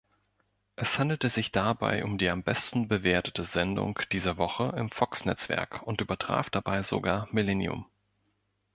Es handelte sich dabei um die am besten bewertete Sendung dieser Woche im Fox-Netzwerk und übertraf dabei sogar „Millennium“.